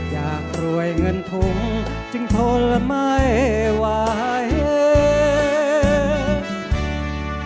อยากรวยเงินถุงจึงทนละไม่ไหว